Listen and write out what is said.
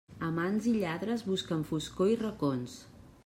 Amants i lladres busquen foscor i racons.